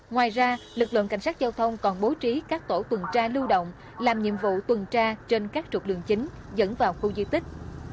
ngoài ra lực lượng cảnh sát giao thông còn bố trí các tổ tuần tra lưu động làm nhiệm vụ tuần tra trên các trục đường chính dẫn vào khu di tích